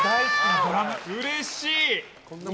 うれしい！